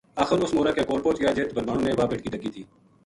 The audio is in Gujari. آخر اُس مورا کے کول پوہچ گیا جِت بھربھانو نے واہ بیٹکی ڈَکی تھی